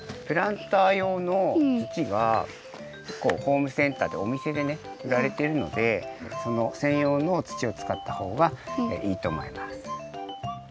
プランターようの土がホームセンターでおみせでねうられてるのでそのせんようの土を使ったほうがいいとおもいます。